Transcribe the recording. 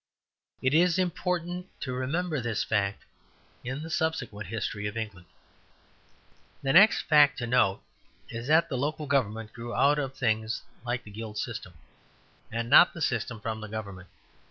It is important to remember this fact in the subsequent history of England. The next fact to note is that the local government grew out of things like the Guild system, and not the system from the government.